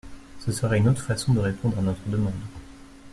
Ce serait une autre façon de répondre à notre demande.